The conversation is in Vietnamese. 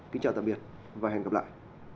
kính chào tạm biệt và hẹn gặp lại